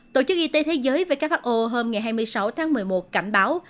tổ chức y tế thế giới who hôm ngày hai mươi sáu tháng một mươi một cảnh báo